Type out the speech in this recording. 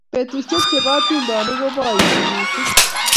bukuisiek chepo atindonik kopoiti mising